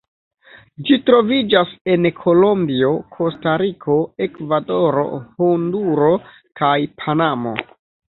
Ĝi troviĝas en Kolombio, Kostariko, Ekvadoro, Honduro, kaj Panamo.